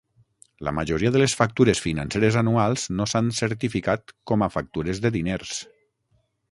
La majoria de les factures financeres anuals no s'han certificat com a factures de diners.